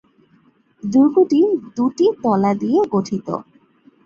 দুর্গটি দুটি তলা নিয়ে গঠিত।